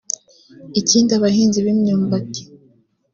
Ikindi abahinzi b’imyumbati